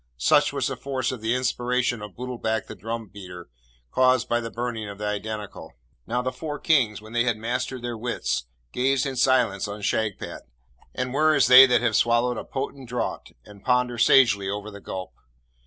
Such was the force of the inspiration of Bootlbac the drum beater, caused by the burning of the Identical. Now, the four Kings, when they had mastered their wits, gazed in silence on Shagpat, and sighed and shook their heads, and were as they that have swallowed a potent draught and ponder sagely over the gulp.